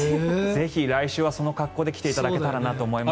ぜひ来週はその格好で来ていただけたらと思います。